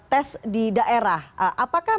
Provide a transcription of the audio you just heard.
tes di daerah apakah